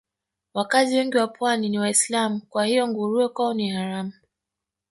Wakazi wengi wa Pwani ni Waislamu kwa hiyo nguruwe kwao ni haramu